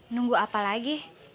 nunggu apa lagi